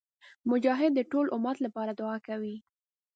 مجاهد د ټول امت لپاره دعا کوي.